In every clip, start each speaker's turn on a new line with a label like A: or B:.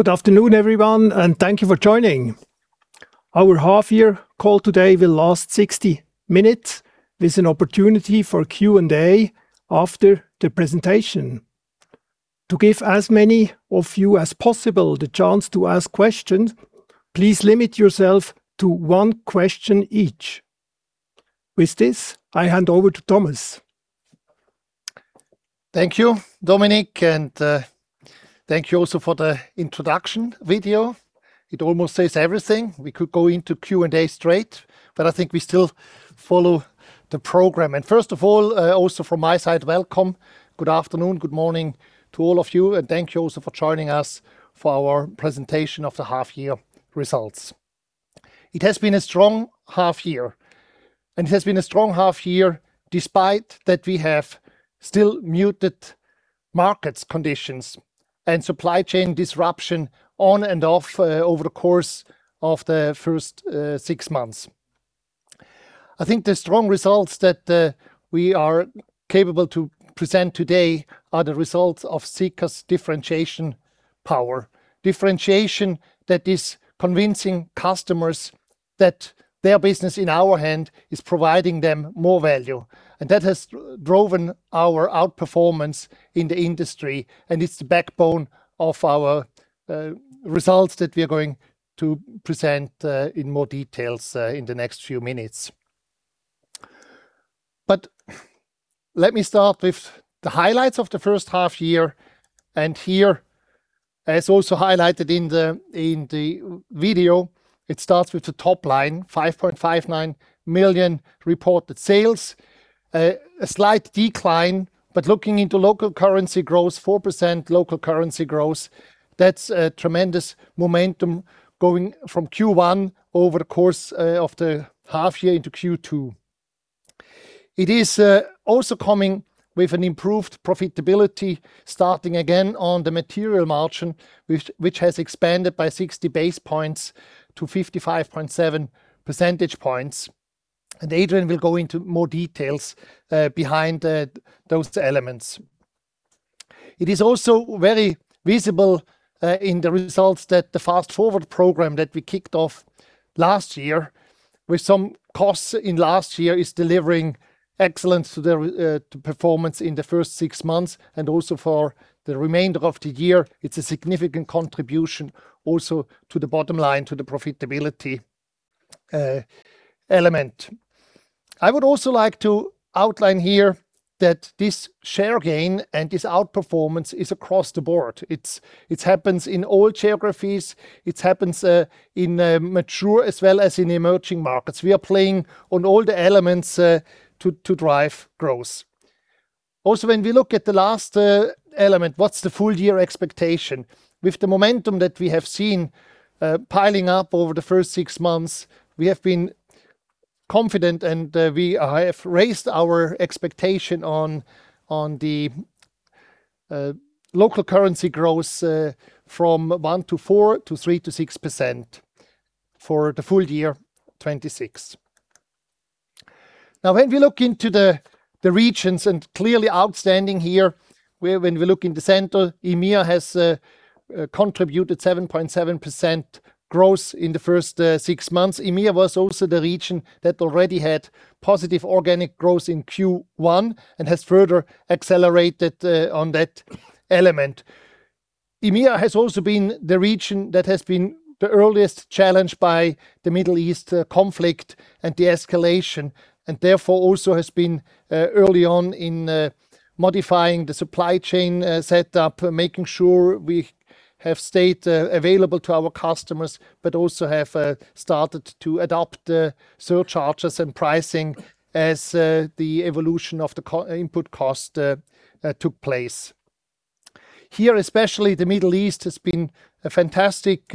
A: Good afternoon, everyone, and thank you for joining. Our half-year call today will last 60 minutes, with an opportunity for Q&A after the presentation. To give as many of you as possible the chance to ask questions, please limit yourself to one question each. With this, I hand over to Thomas.
B: Thank you, Dominik, and thank you also for the introduction video. It almost says everything. We could go into Q&A straight. I think we still follow the program. First of all, also from my side, welcome. Good afternoon, good morning to all of you, and thank you also for joining us for our presentation of the half-year results. It has been a strong half-year, and it has been a strong half-year despite that we have still muted markets conditions and supply chain disruption on and off over the course of the first six months. I think the strong results that we are capable to present today are the results of Sika's differentiation power. Differentiation that is convincing customers that their business in our hand is providing them more value. That has driven our outperformance in the industry, and it's the backbone of our results that we are going to present in more details in the next few minutes. Let me start with the highlights of the first half year, and here, as also highlighted in the video, it starts with the top line, 5.59 billion reported sales. A slight decline, but looking into local currency growth, 4% local currency growth. That's a tremendous momentum going from Q1 over the course of the half year into Q2. It is also coming with an improved profitability, starting again on the material margin, which has expanded by 60 basis points to 55.7 percentage points. Adrian will go into more details behind those elements. It is also very visible in the results that the Fast Forward program that we kicked off last year with some costs in last year is delivering excellence to performance in the first six months and also for the remainder of the year. It's a significant contribution also to the bottom line, to the profitability element. I would also like to outline here that this share gain and this outperformance is across the board. It happens in all geographies. It happens in mature as well as in emerging markets. We are playing on all the elements to drive growth. When we look at the last element, what's the full-year expectation? With the momentum that we have seen piling up over the first six months, we have been confident, we have raised our expectation on the local currency growth from 1%-4% to 3%-6% for the full year 2026. When we look into the regions, clearly outstanding here, when we look in the center, EMEA has contributed 7.7% growth in the first six months. EMEA was also the region that already had positive organic growth in Q1 and has further accelerated on that element. EMEA has also been the region that has been the earliest challenged by the Middle East conflict and the escalation, therefore also has been early on in modifying the supply chain setup, making sure we have stayed available to our customers, also have started to adopt surcharges and pricing as the evolution of the input cost took place. Here, especially the Middle East has been a fantastic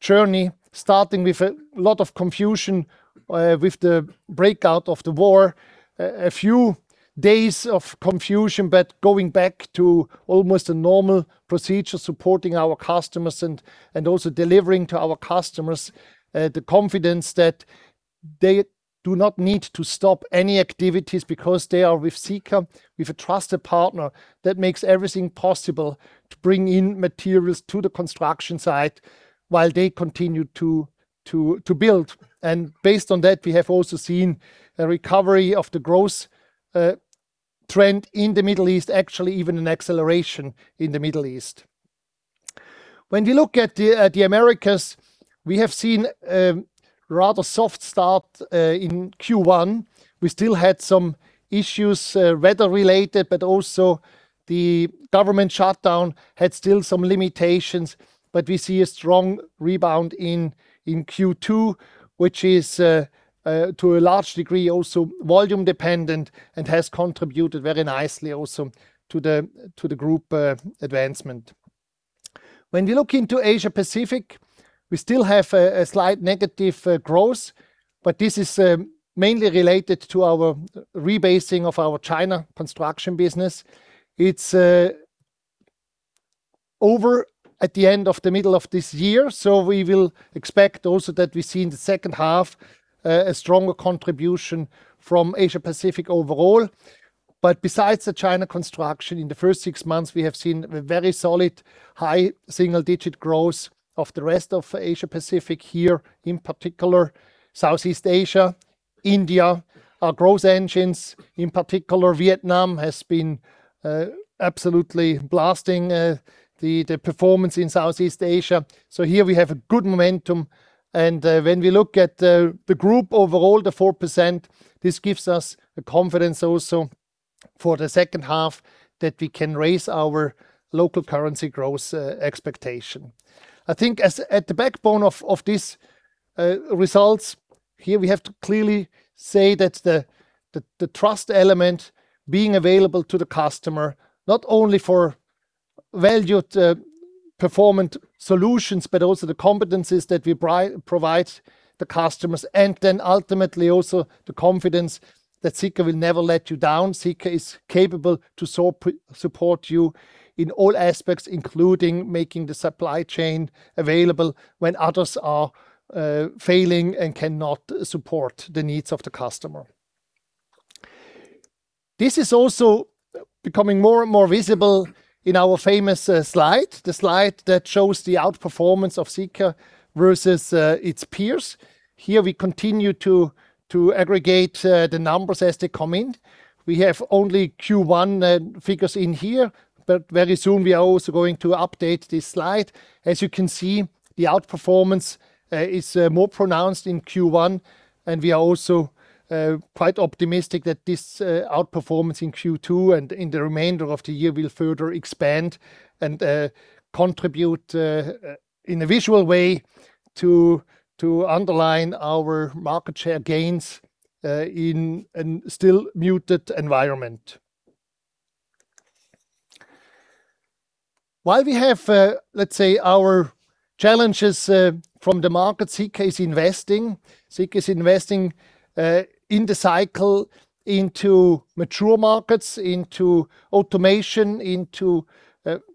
B: journey, starting with a lot of confusion with the breakout of the war. A few days of confusion, going back to almost a normal procedure, supporting our customers, also delivering to our customers the confidence that they do not need to stop any activities because they are with Sika, with a trusted partner that makes everything possible to bring in materials to the construction site while they continue to build. Based on that, we have also seen a recovery of the growth trend in the Middle East, actually even an acceleration in the Middle East. When we look at the Americas, we have seen a rather soft start in Q1. We still had some issues, weather-related, also the government shutdown had still some limitations, we see a strong rebound in Q2, which is to a large degree also volume-dependent and has contributed very nicely also to the group advancement. When we look into Asia-Pacific, we still have a slight negative growth, this is mainly related to our rebasing of our China construction business. It's over at the end of the middle of this year, we will expect also that we see in the second half a stronger contribution from Asia-Pacific overall. Besides the China construction, in the first six months, we have seen very solid, high single-digit growth of the rest of Asia-Pacific here, in particular, Southeast Asia, India. Our growth engines, in particular, Vietnam, has been absolutely blasting the performance in Southeast Asia. Here we have a good momentum, when we look at the group overall, the 4%, this gives us the confidence also for the second half that we can raise our local currency growth expectation. I think as at the backbone of these results here, we have to clearly say that the trust element being available to the customer, not only for valued performant solutions, the competencies that we provide the customers, ultimately also the confidence that Sika will never let you down. Sika is capable to support you in all aspects, including making the supply chain available when others are failing cannot support the needs of the customer. This is also becoming more and more visible in our famous slide, the slide that shows the outperformance of Sika versus its peers. Here we continue to aggregate the numbers as they come in. We have only Q1 figures in here, but very soon we are also going to update this slide. As you can see, the outperformance is more pronounced in Q1, and we are also quite optimistic that this outperformance in Q2 and in the remainder of the year will further expand and contribute in a visual way to underline our market share gains in a still muted environment. While we have, let's say, our challenges from the market, Sika is investing. Sika is investing in the cycle into mature markets, into automation, into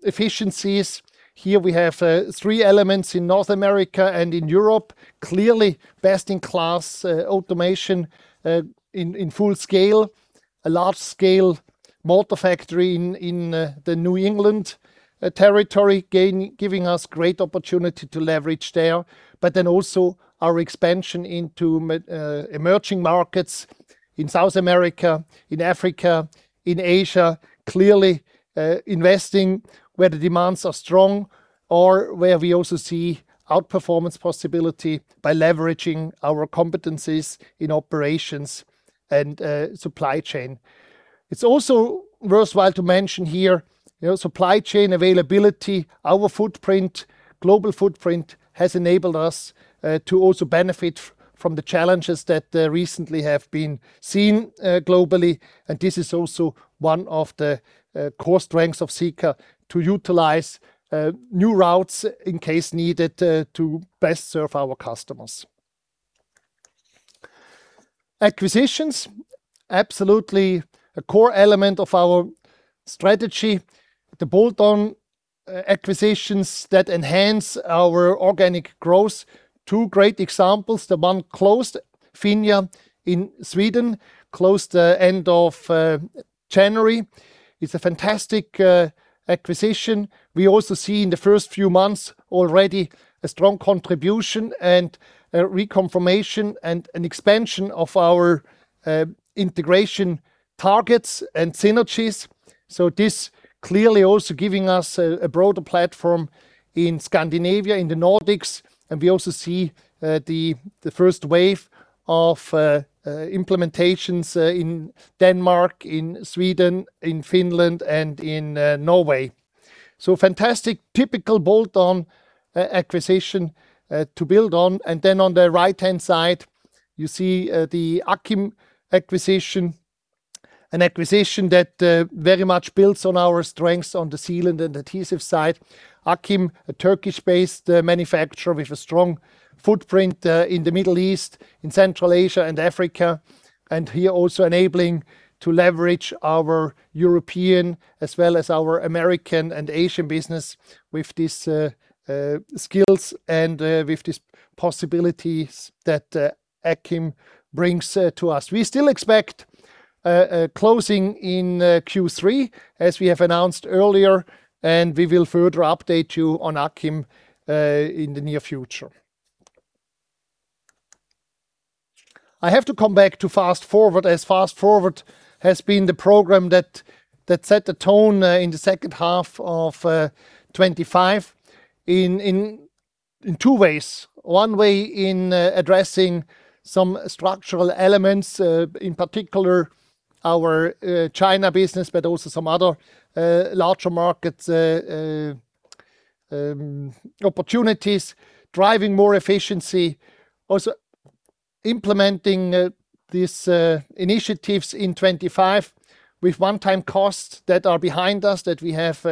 B: efficiencies. Here we have three elements in North America and in Europe. Clearly, best-in-class automation in full scale. A large-scale mortar factory in the New England territory, giving us great opportunity to leverage there. Also our expansion into emerging markets in South America, in Africa, in Asia. Clearly, investing where the demands are strong or where we also see outperformance possibility by leveraging our competencies in operations and supply chain. It is also worthwhile to mention here, supply chain availability, our footprint, global footprint, has enabled us to also benefit from the challenges that recently have been seen globally, and this is also one of the core strengths of Sika, to utilize new routes in case needed to best serve our customers. Acquisitions, absolutely a core element of our strategy. The bolt-on acquisitions that enhance our organic growth. Two great examples. The one closed, Finja in Sweden, closed end of January. It is a fantastic acquisition. We also see in the first few months already a strong contribution and reconfirmation and an expansion of our integration targets and synergies. This clearly also giving us a broader platform in Scandinavia, in the Nordics, and we also see the first wave of implementations in Denmark, in Sweden, in Finland, and in Norway. Fantastic typical bolt-on acquisition to build on. On the right-hand side, you see the Akkim acquisition, an acquisition that very much builds on our strengths on the sealant and adhesive side. Akkim, a Turkish-based manufacturer with a strong footprint in the Middle East, in Central Asia and Africa, and here also enabling to leverage our European as well as our American and Asian business with these skills and with these possibilities that Akkim brings to us. We still expect closing in Q3, as we have announced earlier, and we will further update you on Akkim in the near future. I have to come back to Fast Forward, as Fast Forward has been the program that set the tone in the second half of 2025 in two ways. One way in addressing some structural elements, in particular our China business, but also some other larger markets opportunities, driving more efficiency. Also, implementing these initiatives in 2025 with one-time costs that are behind us, that we have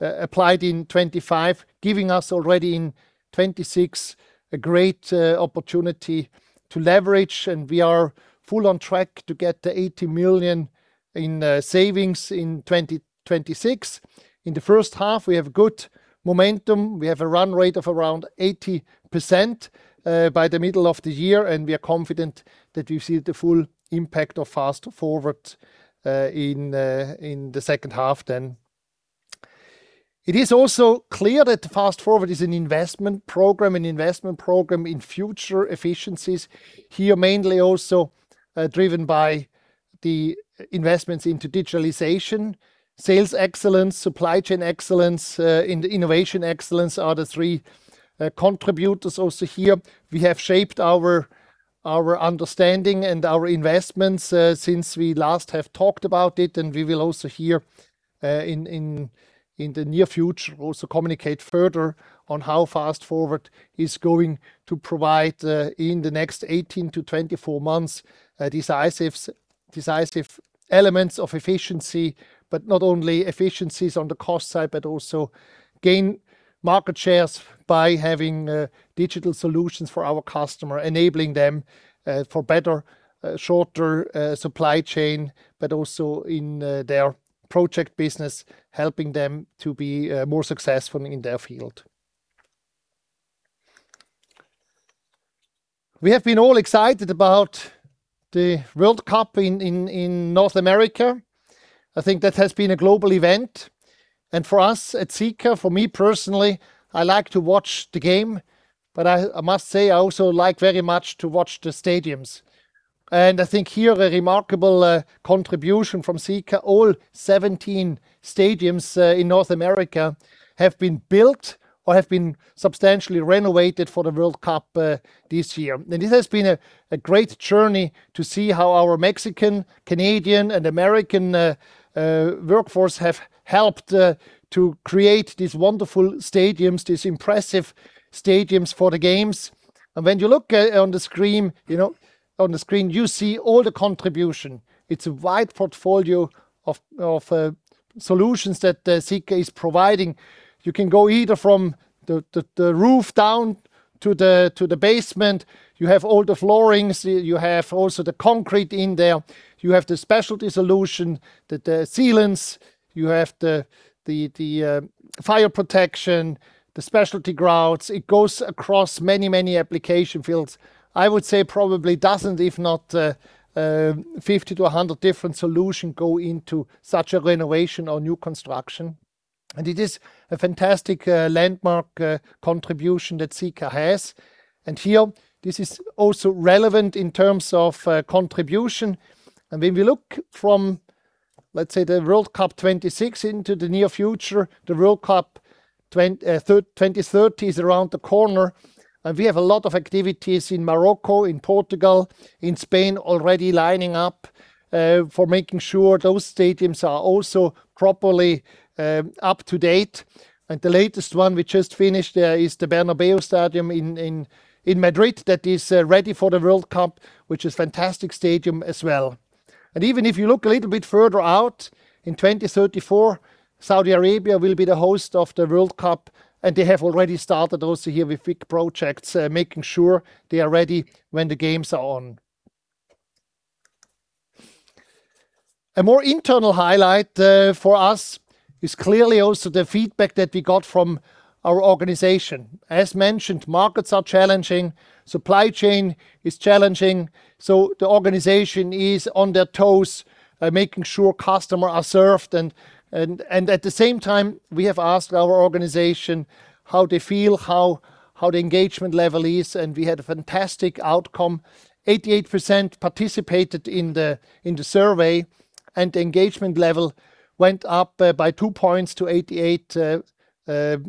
B: applied in 2025, giving us already in 2026 a great opportunity to leverage, and we are full on track to get to 80 million in savings in 2026. In the first half, we have good momentum. We have a run rate of around 80% by the middle of the year, and we are confident that we see the full impact of Fast Forward in the second half. It is also clear that Fast Forward is an investment program in future efficiencies. Here, mainly also driven by the investments into digitalization, sales excellence, supply chain excellence, and innovation excellence are the three contributors also here. We have shaped our understanding and our investments since we last have talked about it, we will also here in the near future, communicate further on how Fast Forward is going to provide, in the next 18-24 months, decisive elements of efficiency, but not only efficiencies on the cost side, but also gain market shares by having digital solutions for our customer, enabling them for better, shorter supply chain, but also in their project business, helping them to be more successful in their field. We have been all excited about the World Cup in North America. I think that has been a global event. For us at Sika, for me personally, I like to watch the game, but I must say I also like very much to watch the stadiums. I think here, a remarkable contribution from Sika, all 17 stadiums in North America have been built or have been substantially renovated for the World Cup this year. It has been a great journey to see how our Mexican, Canadian, and American workforce have helped to create these wonderful stadiums, these impressive stadiums for the games. When you look on the screen, you see all the contribution. It's a wide portfolio of solutions that Sika is providing. You can go either from the roof down to the basement. You have all the flooring. You have also the concrete in there. You have the specialty solution, the sealants. You have the fire protection, the specialty grouts. It goes across many, many application fields. I would say probably dozens, if not 50-100 different solutions go into such a renovation or new construction. It is a fantastic landmark contribution that Sika has. Here, this is also relevant in terms of contribution. When we look from, let's say, the World Cup 2026 into the near future, the World Cup 2030 is around the corner, we have a lot of activities in Morocco, in Portugal, in Spain already lining up for making sure those stadiums are also properly up to date. The latest one we just finished is the Bernabéu Stadium in Madrid that is ready for the World Cup, which is fantastic stadium as well. Even if you look a little bit further out, in 2034, Saudi Arabia will be the host of the World Cup, they have already started also here with big projects, making sure they are ready when the games are on. A more internal highlight for us is clearly also the feedback that we got from our organization. As mentioned, markets are challenging, supply chain is challenging, the organization is on their toes, making sure customer are served. At the same time, we have asked our organization how they feel, how the engagement level is, we had a fantastic outcome. 88% participated in the survey, the engagement level went up by two points to 88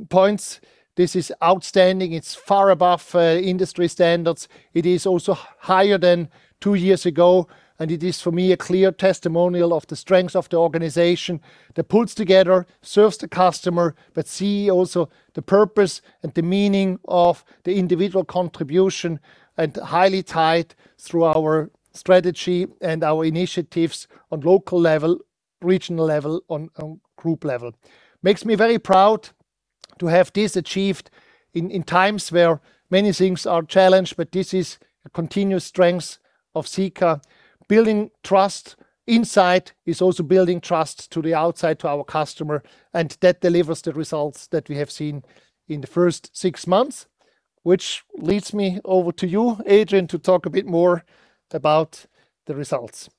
B: points. This is outstanding. It's far above industry standards. It is also higher than two years ago, and it is, for me, a clear testimonial of the strength of the organization that pulls together, serves the customer, but see also the purpose and the meaning of the individual contribution, and highly tied through our strategy and our initiatives on local level, regional level, on group level. Makes me very proud to have this achieved in times where many things are challenged, but this is a continuous strength of Sika. Building trust inside is also building trust to the outside, to our customer, and that delivers the results that we have seen in the first six months, which leads me over to you, Adrian, to talk a bit more about the results.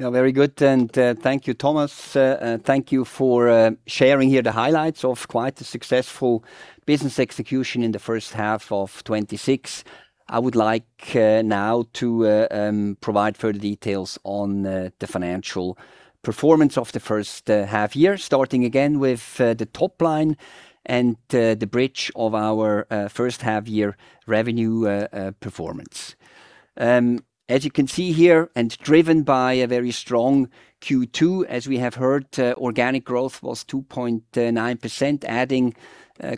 C: Yeah, very good, and thank you, Thomas. Thank you for sharing here the highlights of quite a successful business execution in the first half of 2026. I would like now to provide further details on the financial performance of the first half year, starting again with the top line and the bridge of our first half year revenue performance. As you can see here, driven by a very strong Q2, as we have heard, organic growth was 2.9%, adding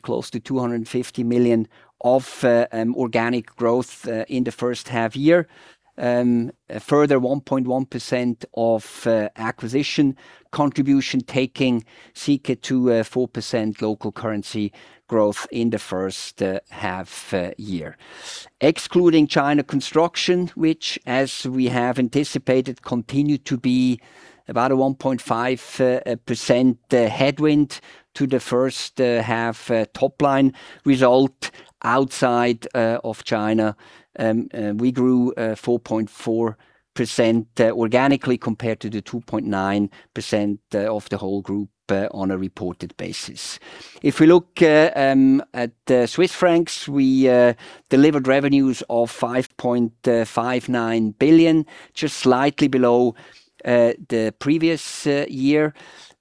C: close to 250 million of organic growth in the first half year. A further 1.1% of acquisition contribution, taking Sika to a 4% local currency growth in the first half year. Excluding China construction, which, as we have anticipated, continued to be about a 1.5% headwind to the first half top line result. Outside of China, we grew 4.4% organically compared to the 2.9% of the whole group on a reported basis. If we look at Swiss Francs, we delivered revenues of 5.59 billion, just slightly below the previous year,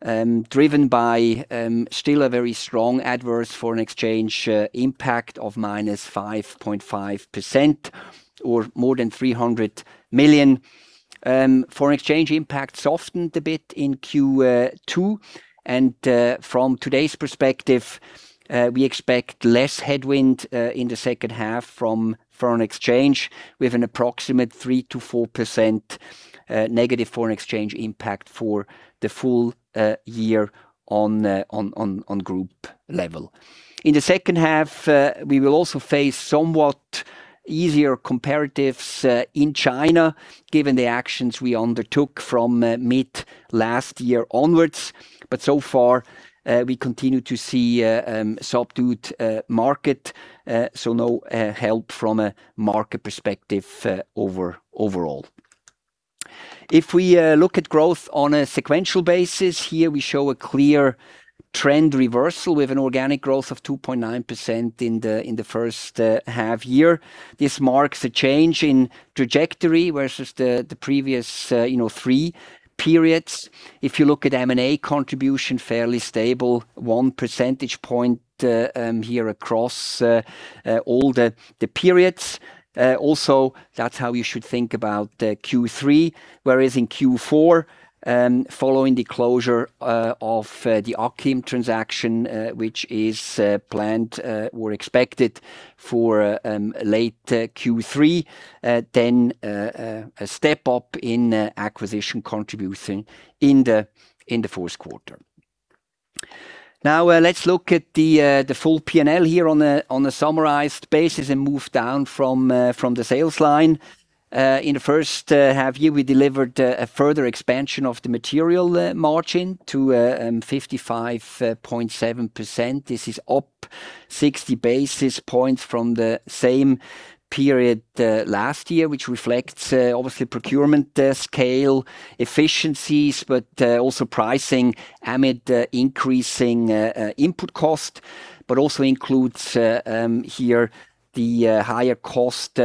C: driven by still a very strong adverse foreign exchange impact of -5.5% or more than 300 million. Foreign exchange impact softened a bit in Q2. From today's perspective, we expect less headwind in the second half from foreign exchange. We have an approximate 3%-4% negative foreign exchange impact for the full year on group level. In the second half, we will also face somewhat easier comparatives in China, given the actions we undertook from mid-last year onwards. So far, we continue to see a subdued market, so no help from a market perspective overall. If we look at growth on a sequential basis, here we show a clear trend reversal with an organic growth of 2.9% in the first half-year. This marks a change in trajectory versus the previous three periods. If you look at M&A contribution, fairly stable, one percentage point here across all the periods. Also, that's how you should think about Q3, whereas in Q4, following the closure of the Akkim transaction, which is planned or expected for late Q3, then a step-up in acquisition contribution in the fourth quarter. Now let's look at the full P&L here on a summarized basis and move down from the sales line. In the first half-year, we delivered a further expansion of the material margin to 55.7%. This is up 60 basis points from the same period last year, which reflects obviously procurement scale efficiencies, but also pricing amid increasing input cost, but also includes here the higher cost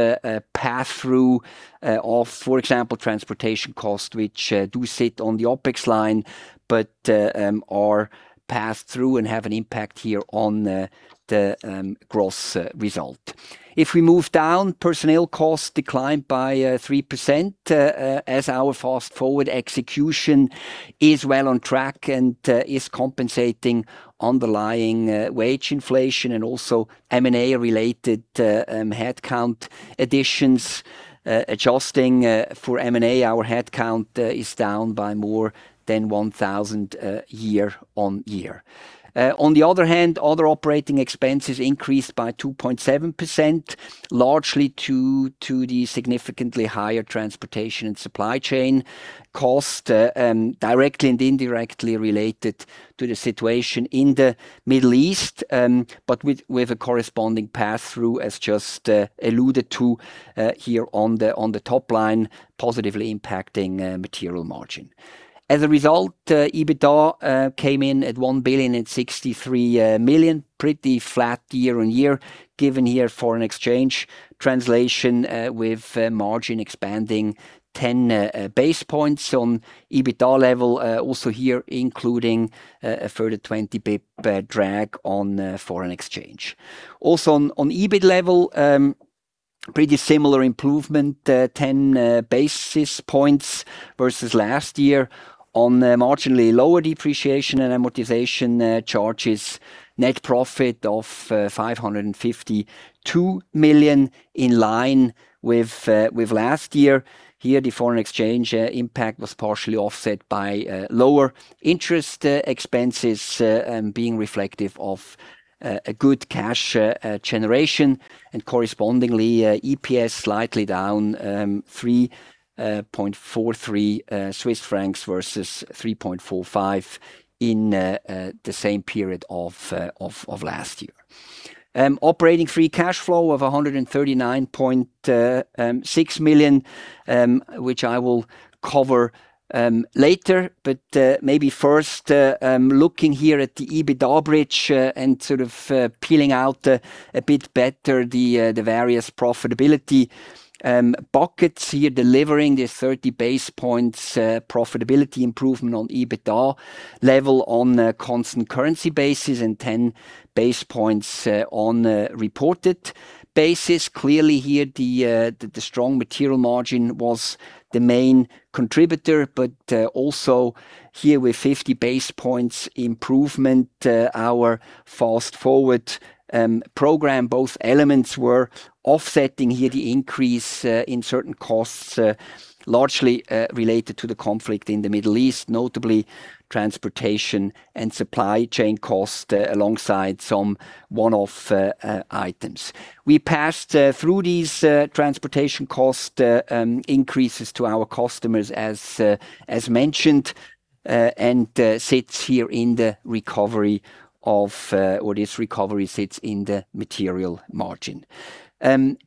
C: pass-through of, for example, transportation costs, which do sit on the OpEx line, but are passed through and have an impact here on the gross result. If we move down, personnel costs declined by 3% as our Fast Forward execution is well on track and is compensating underlying wage inflation and also M&A-related headcount additions. Adjusting for M&A, our headcount is down by more than 1,000 year-on-year. On the other hand, other operating expenses increased by 2.7%, largely due to the significantly higher transportation and supply chain cost, directly and indirectly related to the situation in the Middle East, but with a corresponding pass-through, as just alluded to here on the top line, positively impacting material margin. As a result, EBITDA came in at 1,063 million, pretty flat year-on-year, given here foreign exchange translation with margin expanding 10 basis points on EBITDA level, also here including a further 20 basis points drag on foreign exchange. Also on EBIT level, pretty similar improvement, 10 basis points versus last year, on marginally lower depreciation and amortization charges. Net profit of 552 million, in line with last year. Here, the foreign exchange impact was partially offset by lower interest expenses being reflective of a good cash generation, and correspondingly, EPS slightly down 3.43 Swiss francs versus 3.45 in the same period of last year. Operating free cash flow of 139.6 million, which I will cover later. Maybe first, looking here at the EBITDA bridge and sort of peeling out a bit better the various profitability buckets here, delivering the 30 basis points profitability improvement on EBITDA level on a constant currency basis and 10 basis points on a reported basis. Clearly here, the strong material margin was the main contributor, but also here with 50 basis points improvement, our Fast Forward program, both elements were offsetting here the increase in certain costs, largely related to the conflict in the Middle East, notably transportation and supply chain cost, alongside some one-off items. We passed through these transportation cost increases to our customers as mentioned, and this recovery sits in the material margin.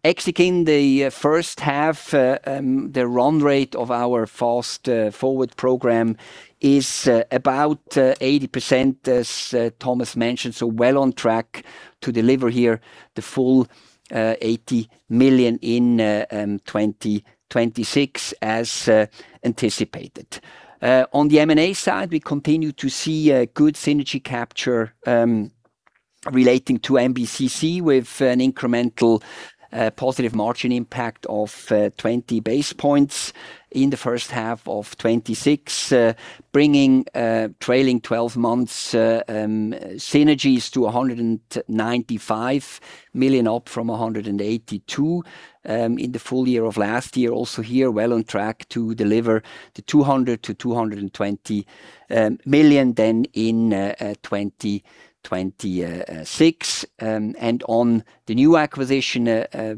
C: Executing the first half, the run rate of our Fast Forward program is about 80%, as Thomas mentioned, so well on track to deliver here the full 80 million in 2026, as anticipated. On the M&A side, we continue to see a good synergy capture relating to MBCC with an incremental positive margin impact of 20 basis points in the first half of 2026, bringing trailing 12 months synergies to 195 million up from 182 million in the full year of last year. Also here, well on track to deliver the 200 million-220 million, then in 2026. On the new acquisition, a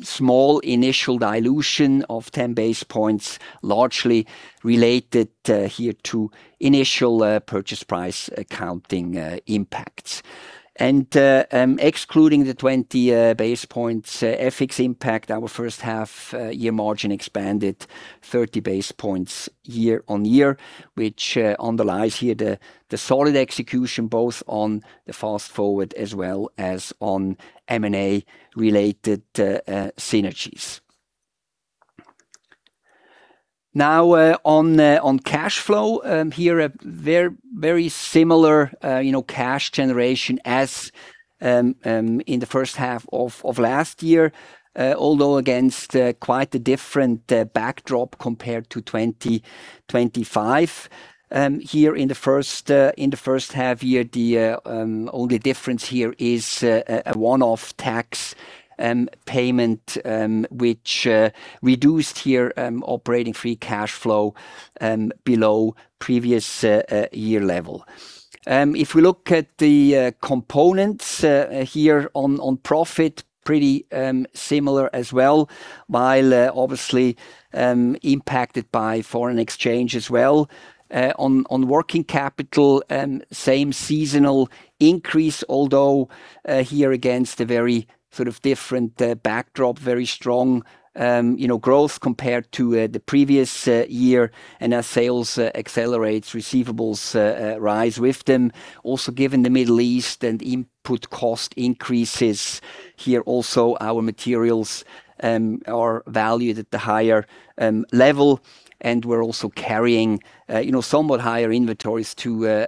C: small initial dilution of 10 basis points, largely related here to initial purchase price accounting impacts. Excluding the 20 basis points FX impact, our first half-year margin expanded 30 basis points year-on-year, which underlies here the solid execution both on the Fast Forward as well as on M&A-related synergies. On cash flow. Here, a very similar cash generation as in the first half of last year, although against quite a different backdrop compared to 2025. Here in the first half year, the only difference here is a one-off tax payment, which reduced here operating free cash flow below previous year level. If we look at the components here on profit, pretty similar as well, while obviously impacted by foreign exchange as well. On working capital, same seasonal increase, although here against a very different backdrop, very strong growth compared to the previous year. As sales accelerates, receivables rise with them. Given the Middle East and input cost increases here also, our materials are valued at the higher level, and we are also carrying somewhat higher inventories to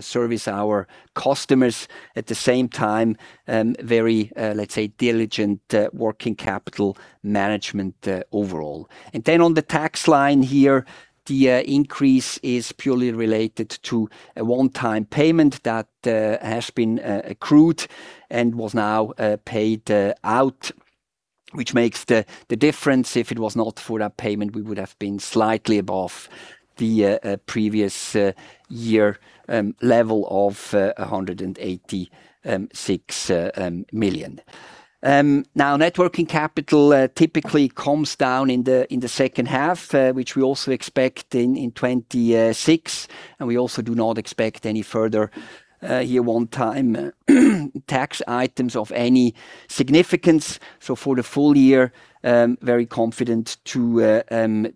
C: service our customers. At the same time, very, let's say, diligent working capital management, overall. On the tax line here, the increase is purely related to a one-time payment that has been accrued and was now paid out, which makes the difference. If it was not for that payment, we would have been slightly above the previous year level of 186 million. Net working capital typically calms down in the second half, which we also expect in 2026, and we also do not expect any further one-time tax items of any significance. For the full year, very confident to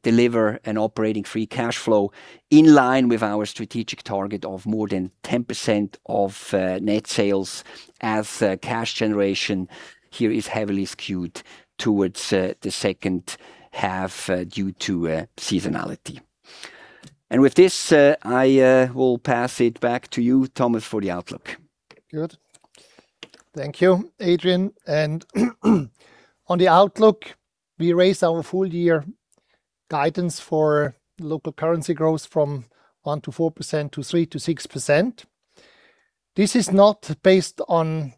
C: deliver an operating free cash flow in line with our strategic target of more than 10% of net sales, as cash generation here is heavily skewed towards the second half due to seasonality. With this, I will pass it back to you, Thomas, for the outlook.
B: Thank you, Adrian. On the outlook, we raised our full-year guidance for local currency growth from 1%-4% to 3%-6%. This is not based on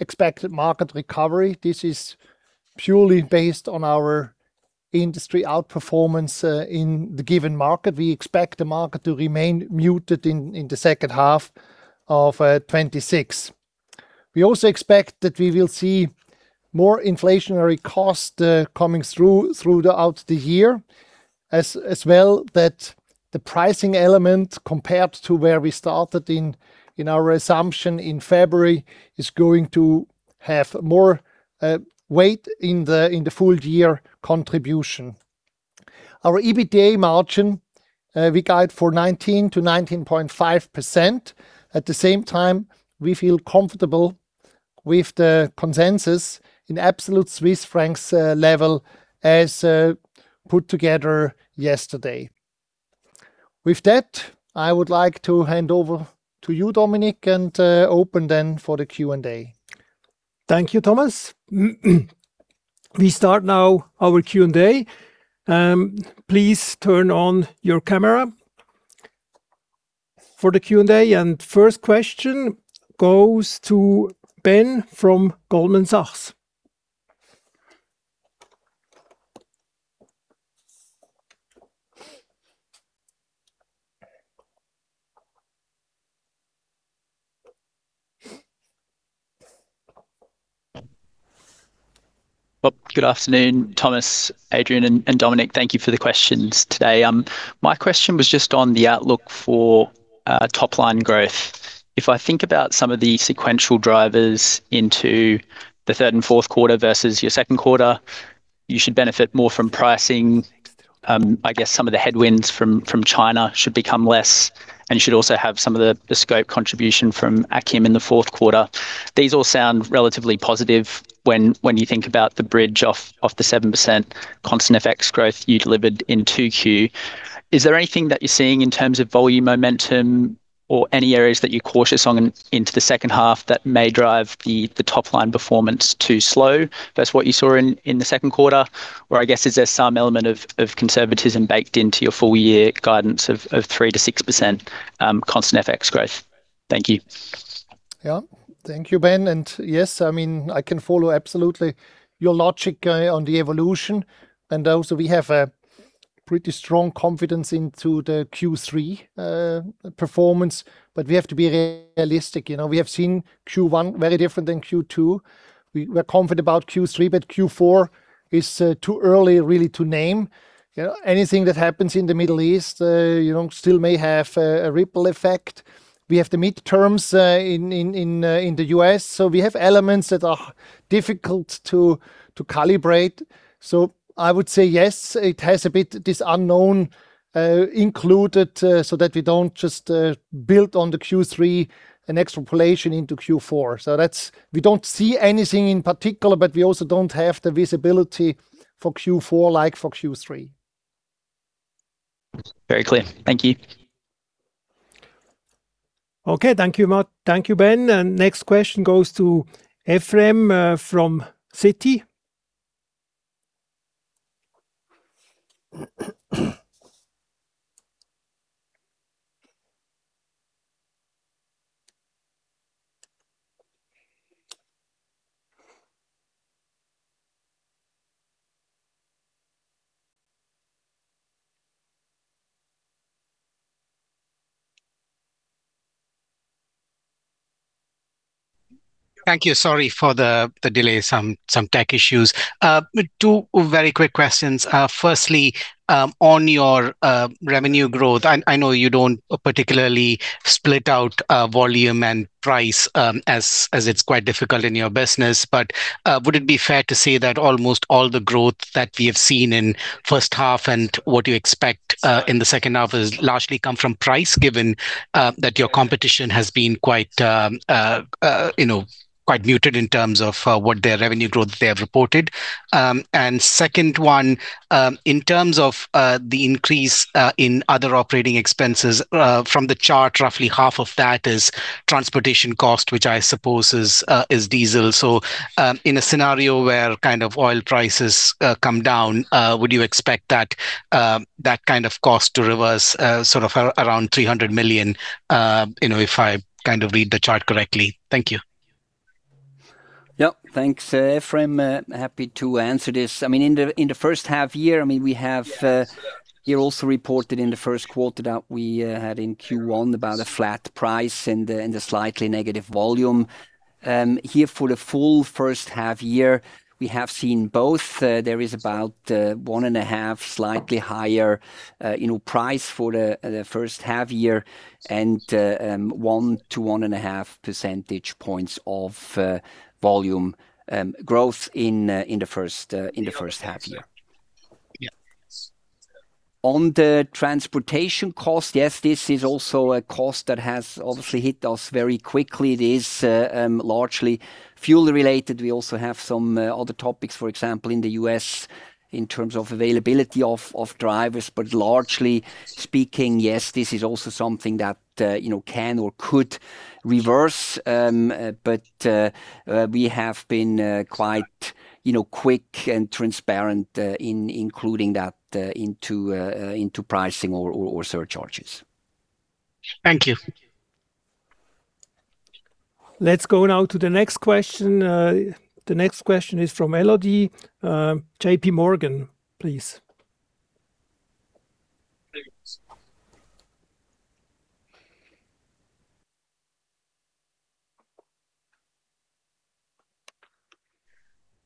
B: expected market recovery. This is purely based on our industry outperformance in the given market. We expect the market to remain muted in the second half of 2026. We also expect that we will see more inflationary costs coming through throughout the year. As well, that the pricing element compared to where we started in our assumption in February, is going to have more weight in the full-year contribution. Our EBITDA margin, we guide for 19%-19.5%. At the same time, we feel comfortable with the consensus in absolute Swiss francs level as put together yesterday. With that, I would like to hand over to you, Dominik, and open then for the Q&A.
A: Thank you, Thomas. We start now our Q&A. Please turn on your camera for the Q&A. First question goes to Ben from Goldman Sachs.
D: Well, good afternoon, Thomas, Adrian, and Dominik. Thank you for the questions today. My question was just on the outlook for top-line growth. If I think about some of the sequential drivers into the third and fourth quarter versus your second quarter, you should benefit more from pricing I guess some of the headwinds from China should become less, and should also have some of the scope contribution from Akkim in the fourth quarter. These all sound relatively positive when you think about the bridge off the 7% constant FX growth you delivered in 2Q. Is there anything that you're seeing in terms of volume momentum or any areas that you're cautious on into the second half that may drive the top line performance too slow versus what you saw in the second quarter? I guess, is there some element of conservatism baked into your full year guidance of 3%-6% constant FX growth? Thank you.
B: Yeah. Thank you, Ben. Yes, I can follow absolutely your logic on the evolution. Also we have a pretty strong confidence into the Q3 performance. We have to be realistic. We have seen Q1 very different than Q2. We're confident about Q3, but Q4 is too early, really, to name. Anything that happens in the Middle East still may have a ripple effect. We have the midterms in the U.S., we have elements that are difficult to calibrate. I would say yes, it has a bit this unknown included, that we don't just build on the Q3 an extrapolation into Q4. We don't see anything in particular, but we also don't have the visibility for Q4 like for Q3.
D: Very clear. Thank you.
A: Okay. Thank you, Ben. Next question goes to Ephrem from Citi.
E: Thank you. Sorry for the delay. Some tech issues. Two very quick questions. Firstly, on your revenue growth, I know you don't particularly split out volume and price, as it's quite difficult in your business. Would it be fair to say that almost all the growth that we have seen in first half and what you expect in the second half has largely come from price, given that your competition has been quite muted in terms of what their revenue growth they have reported? Second one, in terms of the increase in other operating expenses, from the chart, roughly half of that is transportation cost, which I suppose is diesel. In a scenario where oil prices come down, would you expect that kind of cost to reverse around 300 million, if I read the chart correctly? Thank you.
C: Yep. Thanks, Ephrem. Happy to answer this. In the first half year, we have here also reported in the first quarter that we had in Q1 about a flat price and a slightly negative volume. Here for the full first half year, we have seen both. There is about one and a half, slightly higher price for the first half year and one to one and a half percentage points of volume growth in the first half year.
E: Yeah.
C: On the transportation cost, yes, this is also a cost that has obviously hit us very quickly. It is largely fuel related. We also have some other topics, for example, in the U.S., in terms of availability of drivers. Largely speaking, yes, this is also something that can or could reverse. We have been quite quick and transparent in including that into pricing or surcharges.
E: Thank you.
A: Let's go now to the next question. The next question is from Elodie, JPMorgan, please.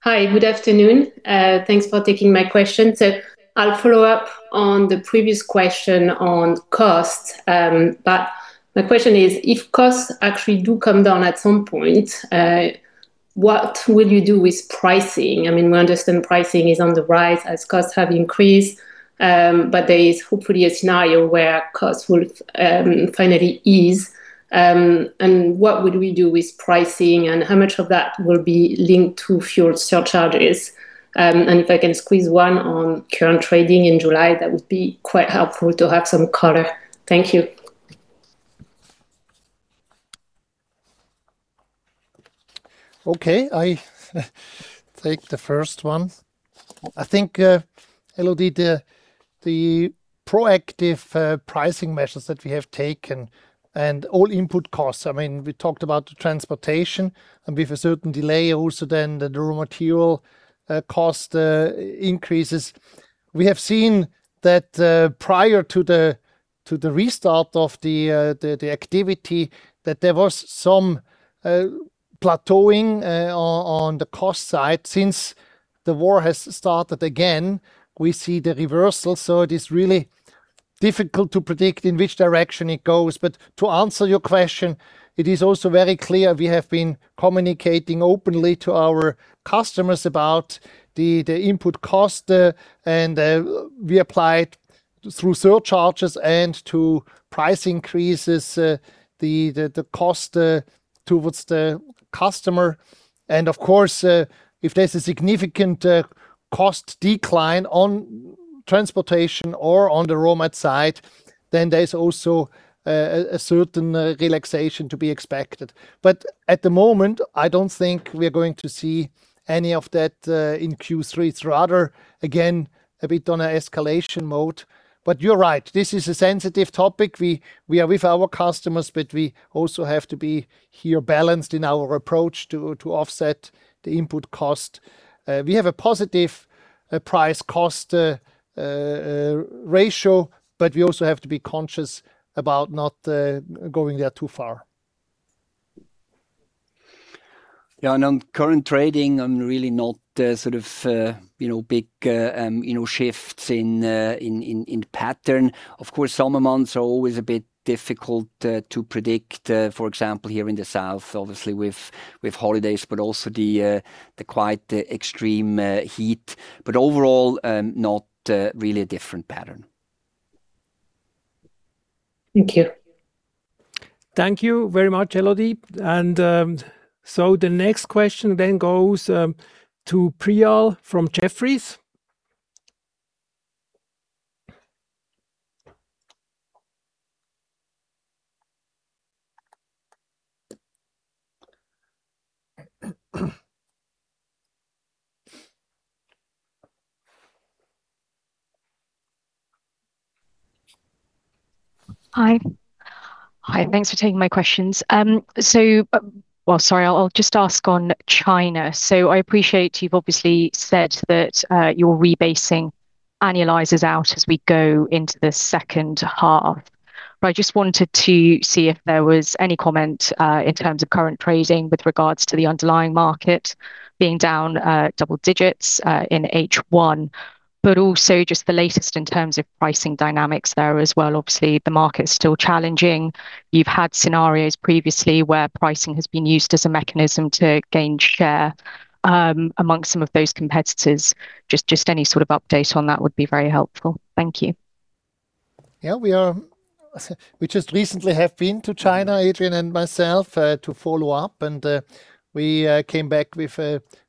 F: Hi. Good afternoon. Thanks for taking my question. I'll follow up on the previous question on costs. My question is: if costs actually do come down at some point, what will you do with pricing? We understand pricing is on the rise as costs have increased. There is hopefully a scenario where costs will finally ease. What would we do with pricing, and how much of that will be linked to fuel surcharges? If I can squeeze one on current trading in July, that would be quite helpful to have some color. Thank you.
B: Okay. I take the first one. I think, Elodie, the proactive pricing measures that we have taken and all input costs, we talked about the transportation and with a certain delay also then the raw material cost increases. We have seen that prior to the restart of the activity that there was some plateauing on the cost side. Since the war has started again, we see the reversal. It is really difficult to predict in which direction it goes. To answer your question, it is also very clear we have been communicating openly to our customers about the input cost, and we applied through surcharges and to price increases, the cost towards the customer. Of course, if there's a significant cost decline on transportation or on the raw mat side, then there's also a certain relaxation to be expected. At the moment, I don't think we are going to see any of that in Q3. It's rather, again, a bit on a escalation mode. You're right, this is a sensitive topic. We are with our customers, but we also have to be here balanced in our approach to offset the input cost. We have a positive price-cost ratio, but we also have to be conscious about not going there too far.
C: On current trading, I'm really not big in shifts in pattern. Of course, summer months are always a bit difficult to predict, for example, here in the south, obviously with holidays, but also the quite extreme heat. Overall, not really a different pattern.
F: Thank you.
A: Thank you very much, Elodie. The next question goes to Priyal from Jefferies.
G: Hi, thanks for taking my questions. Sorry, I'll just ask on China. I appreciate you've obviously said that your rebasing annualizes out as we go into the second half, but I just wanted to see if there was any comment, in terms of current trading with regards to the underlying market being down double digits, in H1, but also just the latest in terms of pricing dynamics there as well. The market's still challenging. You've had scenarios previously where pricing has been used as a mechanism to gain share amongst some of those competitors. Any sort of update on that would be very helpful. Thank you.
B: We just recently have been to China, Adrian and myself, to follow up, and we came back with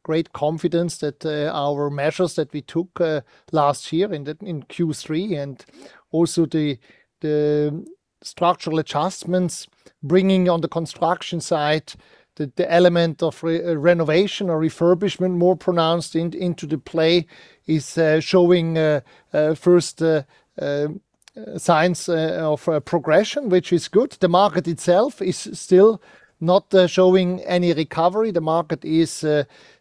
B: great confidence that our measures that we took last year in Q3 and also the structural adjustments, bringing on the construction side, the element of renovation or refurbishment more pronounced into the play, is showing first signs of progression, which is good. The market itself is still not showing any recovery. The market is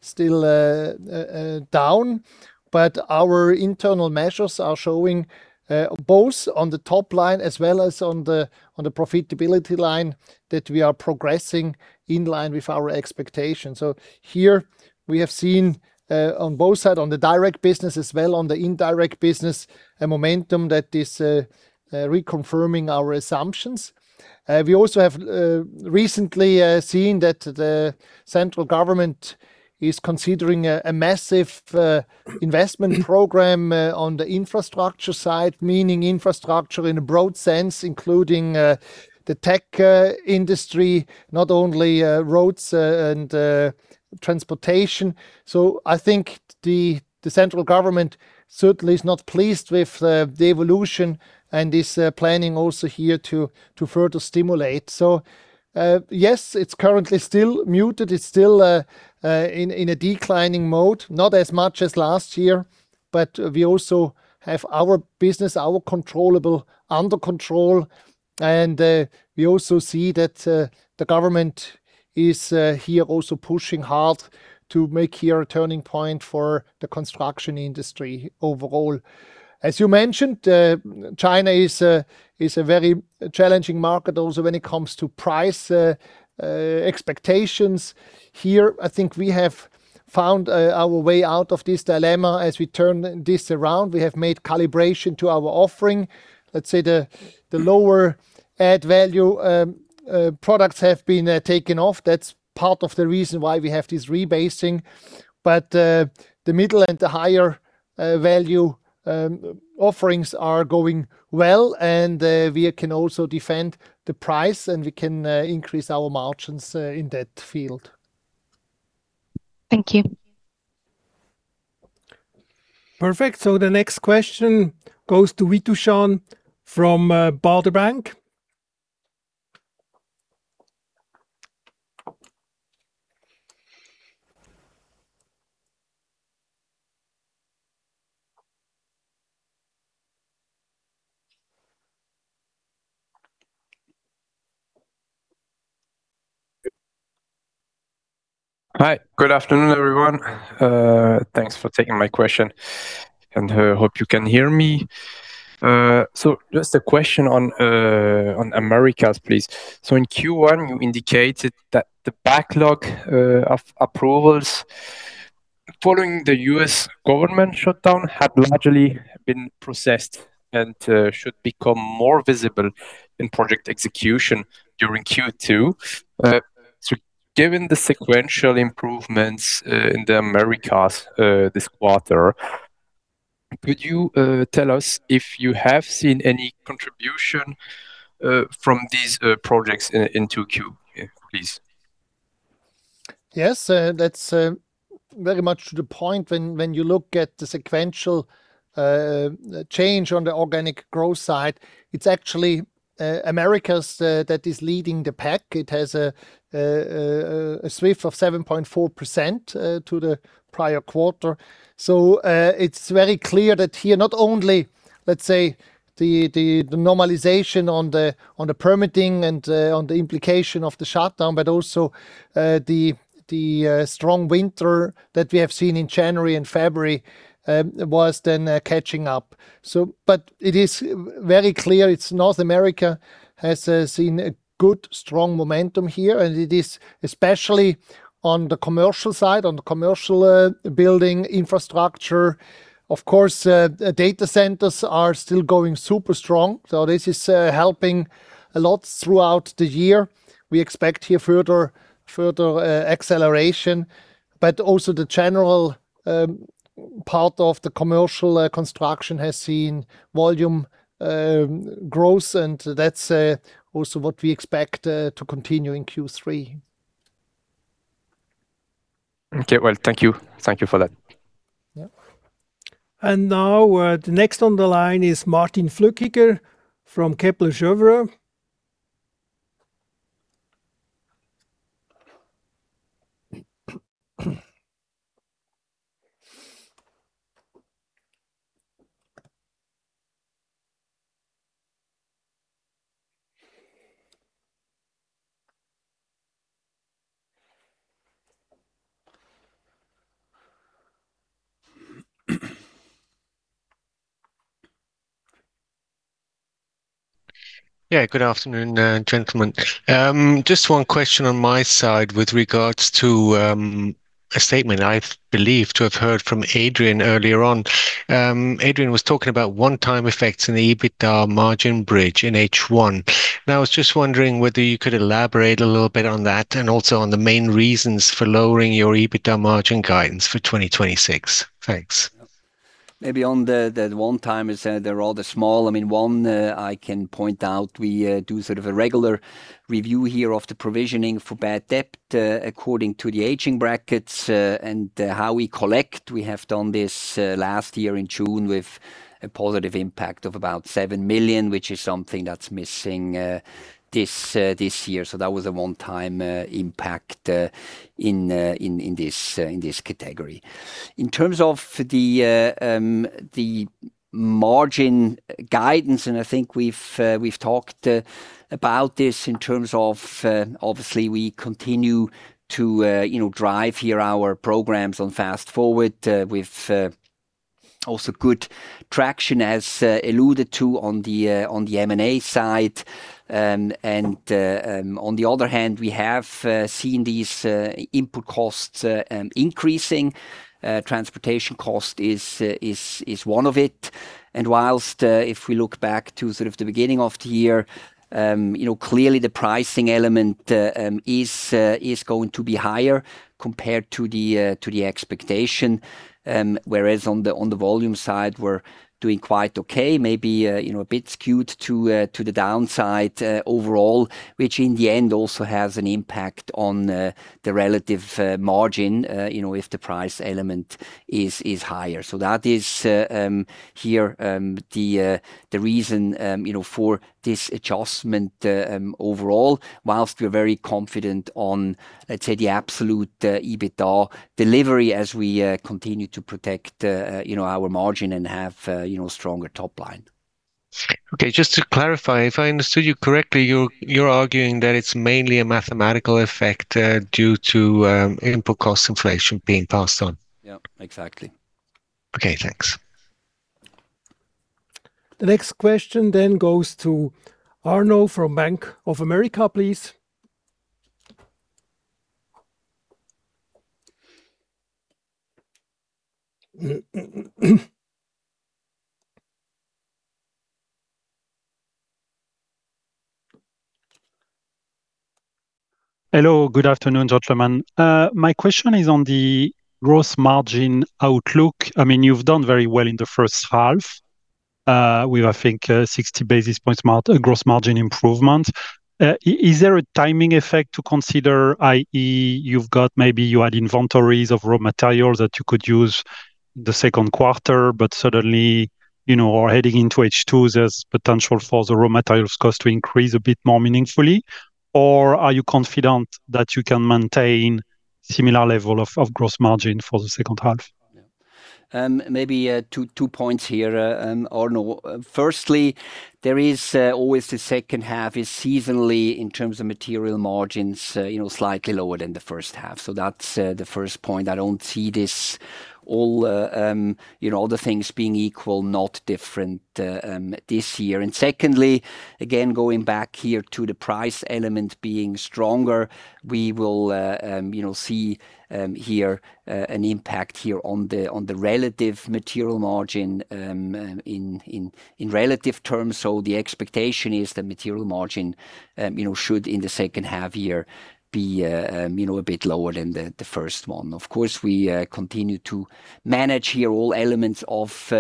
B: still down. Our internal measures are showing both on the top line as well as on the profitability line that we are progressing in line with our expectations. Here we have seen, on both sides, on the direct business as well on the indirect business, a momentum that is reconfirming our assumptions. We also have recently seen that the central government is considering a massive investment program on the infrastructure side, meaning infrastructure in a broad sense, including the tech industry, not only roads and transportation. I think the central government certainly is not pleased with the evolution and is planning also here to further stimulate. Yes, it's currently still muted. It's still in a declining mode, not as much as last year. We also have our business, our controllable, under control. We also see that the government is here also pushing hard to make here a turning point for the construction industry overall. As you mentioned, China is a very challenging market also when it comes to price expectations. Here, I think we have found our way out of this dilemma as we turn this around. We have made calibration to our offering. Let's say the lower add value products have been taken off. That's part of the reason why we have this rebasing. The middle and the higher value offerings are going well, and we can also defend the price, and we can increase our margins in that field.
G: Thank you.
A: Perfect. The next question goes to Vitushan from Baader Bank.
H: Hi. Good afternoon, everyone. Thanks for taking my question, and hope you can hear me. Just a question on Americas, please. In Q1, you indicated that the backlog of approvals following the U.S. government shutdown had largely been processed and should become more visible in project execution during Q2. Given the sequential improvements in the Americas this quarter, could you tell us if you have seen any contribution from these projects into Q, please?
B: Yes, that's very much to the point. When you look at the sequential change on the organic growth side, it's actually Americas that is leading the pack. It has a sweep of 7.4% to the prior quarter. It's very clear that here, not only, let's say, the normalization on the permitting and on the implication of the shutdown, but also the strong winter that we have seen in January and February was then catching up. It is very clear, North America has seen a good, strong momentum here, and it is especially on the commercial side, on the commercial building infrastructure. Of course, data centers are still going super strong, this is helping a lot throughout the year. We expect here further acceleration, but also the general part of the commercial construction has seen volume growth, and that's also what we expect to continue in Q3.
H: Thank you. Thank you for that.
B: Yeah.
A: Now, the next on the line is Martin Flueckiger from Kepler Cheuvreux.
I: Good afternoon, gentlemen. Just one question on my side with regards to a statement I believe to have heard from Adrian earlier on. Adrian was talking about one-time effects in the EBITDA margin bridge in H1, I was just wondering whether you could elaborate a little bit on that and also on the main reasons for lowering your EBITDA margin guidance for 2026. Thanks.
C: One I can point out, we do sort of a regular review here of the provisioning for bad debt, according to the aging brackets, and how we collect. We have done this last year in June with a positive impact of about 7 million, which is something that's missing this year. That was a one-time impact in this category. In terms of the margin guidance, and I think we've talked about this in terms of, obviously, we continue to drive here our programs on Fast Forward with also good traction as alluded to on the M&A side. On the other hand, we have seen these input costs increasing. Transportation cost is one of it. Whilst if we look back to sort of the beginning of the year, clearly the pricing element is going to be higher compared to the expectation. Whereas on the volume side, we're doing quite okay, maybe a bit skewed to the downside overall, which in the end also has an impact on the relative margin if the price element is higher. That is here the reason for this adjustment overall, whilst we are very confident on, let's say, the absolute EBITDA delivery as we continue to protect our margin and have stronger top line.
I: Okay. Just to clarify, if I understood you correctly, you're arguing that it's mainly a mathematical effect due to input cost inflation being passed on.
C: Yeah, exactly.
I: Okay, thanks.
A: The next question goes to Arnaud from Bank of America, please.
J: Hello. Good afternoon, gentlemen. My question is on the gross margin outlook. You've done very well in the first half. With I think 60 basis points gross margin improvement. Is there a timing effect to consider, i.e., you've got maybe you had inventories of raw materials that you could use the second quarter, but suddenly, or heading into H2, there's potential for the raw materials cost to increase a bit more meaningfully? Or are you confident that you can maintain similar level of gross margin for the second half?
C: Yeah. Maybe two points here, Arnaud. Firstly, there is always the second half is seasonally in terms of material margins, slightly lower than the first half. That's the first point. I don't see All other things being equal, not different this year. Secondly, again, going back here to the price element being stronger, we will see an impact here on the relative material margin in relative terms. The expectation is the material margin should in the second half year be a bit lower than the first one. Of course, we continue to manage here all elements of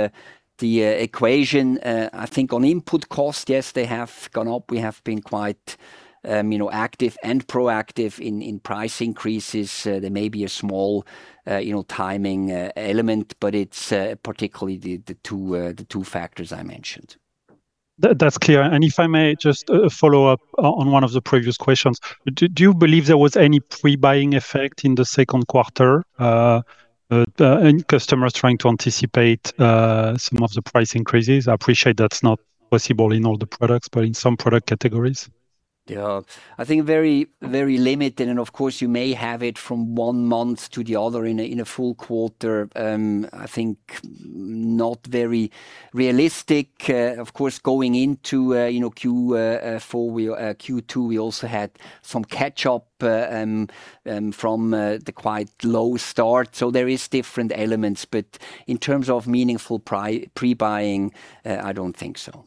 C: the equation. I think on input cost, yes, they have gone up. We have been quite active and proactive in price increases. There may be a small timing element, but it's particularly the two factors I mentioned.
J: That's clear. If I may just follow up on one of the previous questions. Do you believe there was any pre-buying effect in the second quarter? Any customers trying to anticipate some of the price increases? I appreciate that's not possible in all the products, but in some product categories.
C: Yeah. I think very limited, of course, you may have it from one month to the other in a full quarter. I think not very realistic. Of course, going into Q2, we also had some catch-up from the quite low start. There is different elements, but in terms of meaningful pre-buying, I don't think so.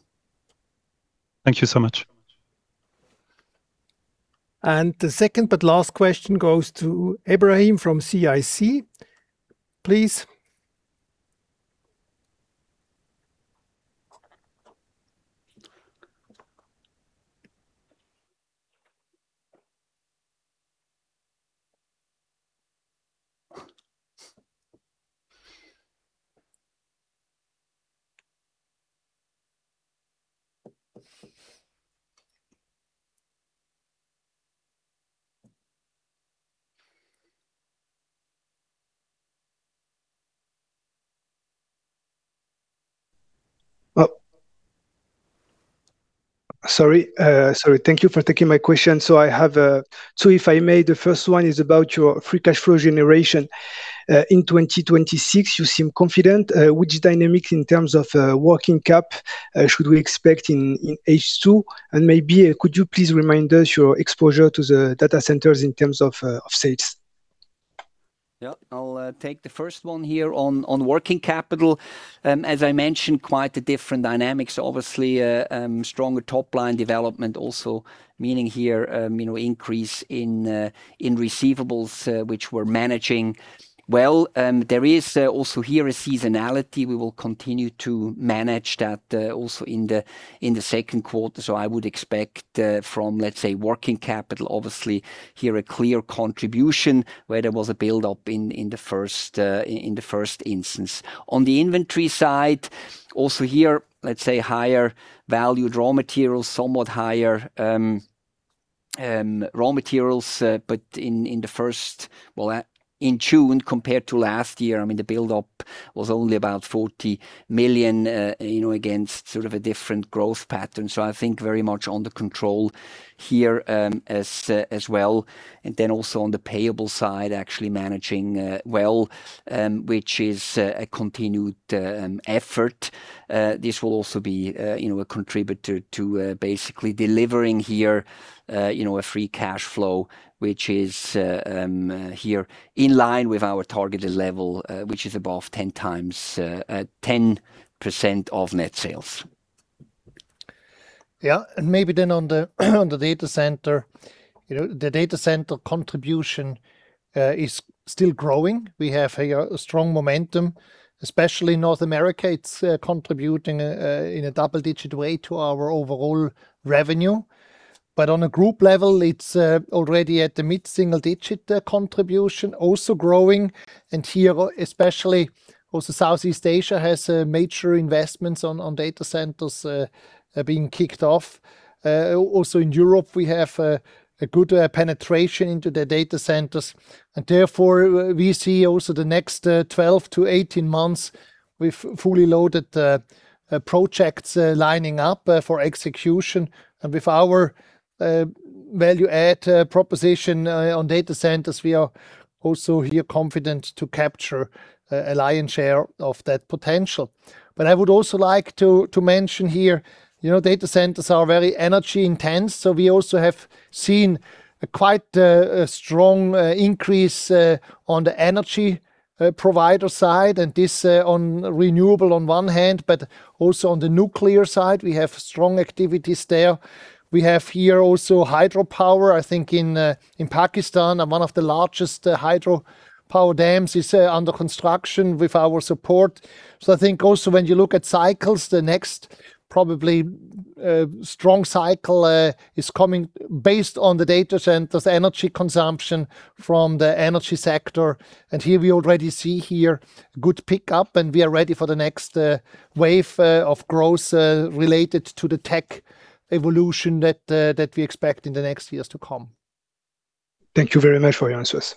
J: Thank you so much.
A: The second but last question goes to Ebrahim from CIC. Please.
K: Thank you for taking my question. If I may, the first one is about your free cash flow generation. In 2026, you seem confident. Which dynamics in terms of working cap should we expect in H2? Maybe could you please remind us your exposure to the data centers in terms of sales?
C: I'll take the first one here on working capital. As I mentioned, quite a different dynamics. Obviously, stronger top-line development also meaning here increase in receivables, which we're managing well. There is also here a seasonality. We will continue to manage that also in the second quarter. I would expect from, let's say, working capital, obviously here a clear contribution where there was a build-up in the first instance. On the inventory side, also here, let's say higher value raw materials, somewhat higher raw materials. In June, compared to last year, the build-up was only about 40 million, against sort of a different growth pattern. I think very much under control here as well. Also on the payable side, actually managing well, which is a continued effort. This will also be a contributor to basically delivering here a free cash flow, which is here in line with our targeted level, which is above 10% of net sales.
B: Maybe on the data center. The data center contribution is still growing. We have a strong momentum, especially North America. It's contributing in a double-digit way to our overall revenue. On a group level, it's already at the mid-single digit. The contribution also growing, here, especially also Southeast Asia has major investments on data centers being kicked off. Also in Europe, we have a good penetration into the data centers, we see also the next 12-18 months with fully loaded projects lining up for execution. With our value add proposition on data centers, we are also here confident to capture a lion share of that potential. I would also like to mention here, data centers are very energy-intense, we also have seen quite a strong increase on the energy provider side, and this on renewables on one hand, but also on the nuclear side, we have strong activities there. We have here also hydropower, I think in Pakistan. One of the largest hydropower dams is under construction with our support. I think also when you look at cycles, the next probably strong cycle is coming based on the data centers, energy consumption from the energy sector. Here we already see here good pick-up, and we are ready for the next wave of growth related to the tech evolution that we expect in the next years to come.
K: Thank you very much for your answers.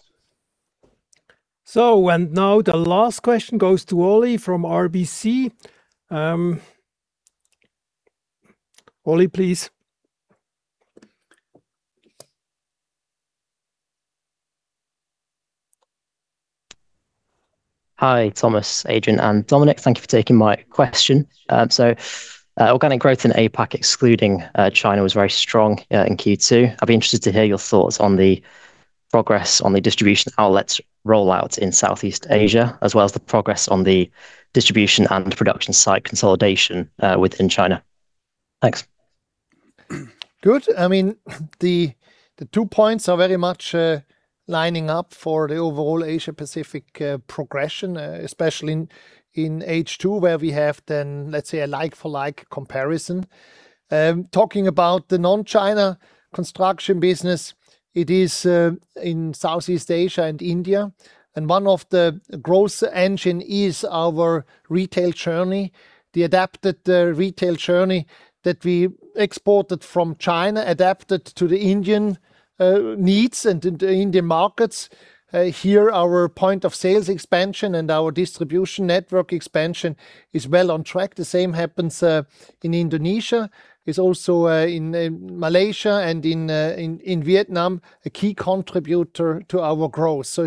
A: Now the last question goes to Ollie from RBC. Ollie, please.
L: Hi, Thomas, Adrian, and Dominik. Thank you for taking my question. Organic growth in APAC, excluding China, was very strong in Q2. I'd be interested to hear your thoughts on the progress on the distribution outlets rollout in Southeast Asia, as well as the progress on the distribution and production site consolidation within China. Thanks.
B: Good. The two points are very much lining up for the overall Asia Pacific progression, especially in H2, where we have then, let's say, a like-for-like comparison. Talking about the non-China construction business, it is in Southeast Asia and India, and one of the growth engine is our retail journey, the adapted retail journey that we exported from China, adapted to the Indian needs and Indian markets. Here, our point of sales expansion and our distribution network expansion is well on track. The same happens in Indonesia, is also in Malaysia and in Vietnam, a key contributor to our growth.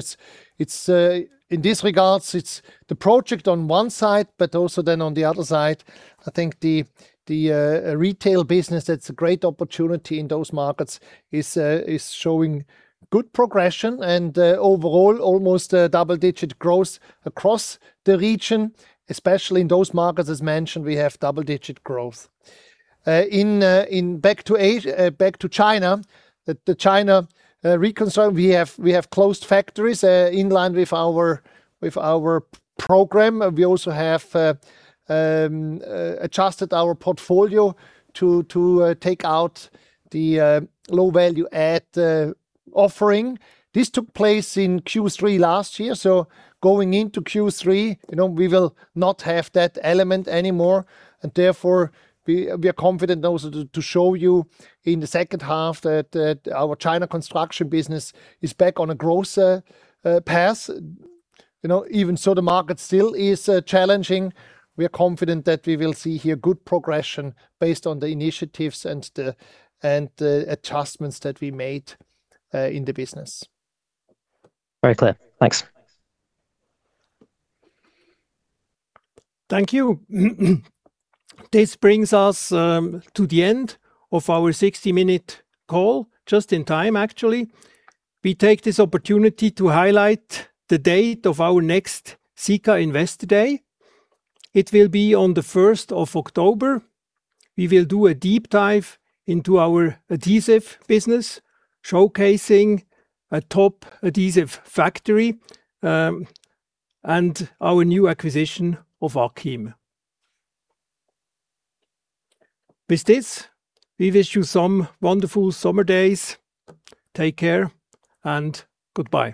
B: In this regards, it's the project on one side, but also then on the other side, I think the retail business, that's a great opportunity in those markets, is showing good progression and overall almost double-digit growth across the region, especially in those markets. As mentioned, we have double-digit growth. Back to China, the China recon. We have closed factories in line with our program, and we also have adjusted our portfolio to take out the low value add offering. This took place in Q3 last year, going into Q3, we will not have that element anymore. Therefore, we are confident also to show you in the second half that our China construction business is back on a growth path. Even so, the market still is challenging. We are confident that we will see here good progression based on the initiatives and the adjustments that we made in the business.
L: Very clear. Thanks.
A: Thank you. This brings us to the end of our 60-minute call, just in time, actually. We take this opportunity to highlight the date of our next Sika Investor Day. It will be on the 1st of October. We will do a deep dive into our adhesive business, showcasing a top adhesive factory, and our new acquisition of Akkim. With this, we wish you some wonderful summer days. Take care, and goodbye